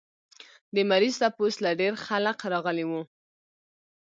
د مريض تپوس له ډېر خلق راغلي وو